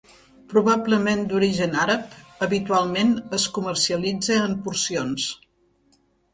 Probablement d'origen àrab, habitualment es comercialitza en porcions.